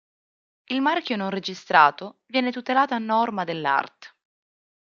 Il marchio non registrato viene tutelato a norma dell'art.